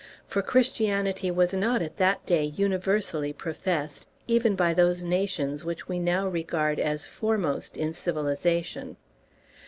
For Christianity was not at that day universally professed, even by those nations which we now regard as foremost in civilization.